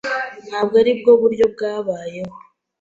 Ntabwo aribwo buryo bwabayeho.